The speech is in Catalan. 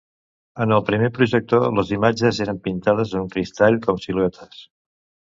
En el primer projector les imatges eren pintades en el cristall com siluetes.